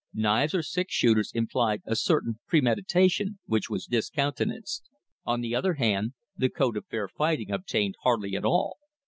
Knives or six shooters implied a certain premeditation which was discountenanced. On the other hand, the code of fair fighting obtained hardly at all.